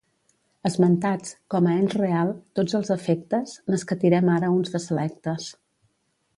Esmentats, com a ens real, tots els efectes, n'escatirem ara uns de selectes.